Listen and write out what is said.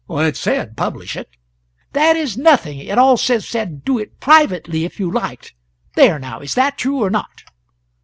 "It said publish it." "That is nothing; it also said do it privately, if you liked. There, now is that true, or not?"